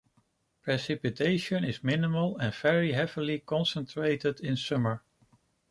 Precipitation is minimal and very heavily concentrated in summer.